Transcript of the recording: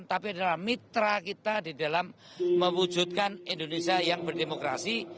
tapi adalah mitra kita di dalam mewujudkan indonesia yang berdemokrasi